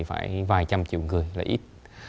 phải vài trăm triệu người là ít